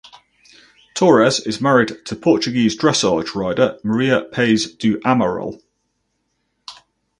Torres is married to Portuguese Dressage rider Maria Pais do Amaral.